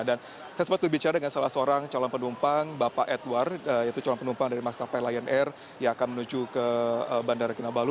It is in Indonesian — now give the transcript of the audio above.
dan saya sempat berbicara dengan salah seorang calon penumpang bapak edward yaitu calon penumpang dari mas kapel lion air yang akan menuju ke bandara kinabalu